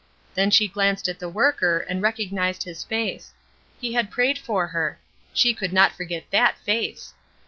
Then she glanced at the worker and recognized his face. He had prayed for her. She could not forget that face.